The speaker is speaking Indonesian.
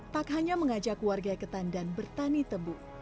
tak hanya mengajak warga ketandan bertani tebu